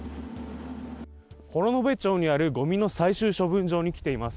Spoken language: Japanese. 幌延町にあるごみの最終処分場に来ています。